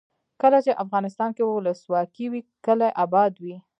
کله چې افغانستان کې ولسواکي وي کلي اباد وي.